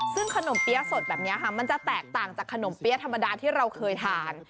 ซึ่งขนมเปี๊ยะสดแบบนี้ค่ะมันจะแตกต่างจากขนมเปี๊ยะธรรมดาที่เราเคยทาน